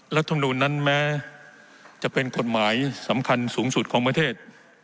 รัฐมนูลนั้นแม้จะเป็นกฎหมายสำคัญสูงสุดของประเทศ